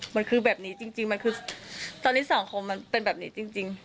มันคือแบบนี้จริงมันคือตอนนี้สังคมมันเป็นแบบนี้จริง